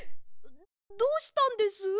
どうしたんです？